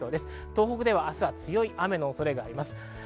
東北では明日、強い雨の恐れがあります。